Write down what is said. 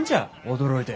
驚いて。